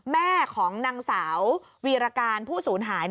แม่ของนางสาววีรการผู้สูญหาย